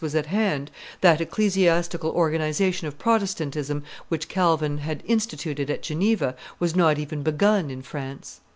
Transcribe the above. was at hand, that ecclesiastical organization of Protestantism which Calvin had instituted at Geneva was not even begun in France.